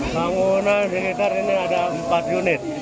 bangunan sekitar ini ada empat unit